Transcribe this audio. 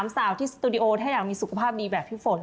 สาวที่สตูดิโอถ้าอยากมีสุขภาพดีแบบพี่ฝน